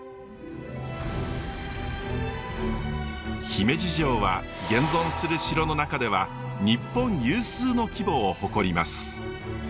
姫路城は現存する城の中では日本有数の規模を誇ります。